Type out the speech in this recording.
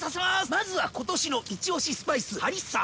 まずは今年のイチオシスパイスハリッサ！